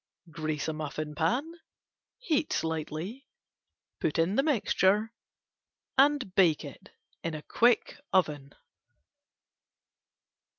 Grease muffin pan, heat slightly, put in mixture and bake in quick oven.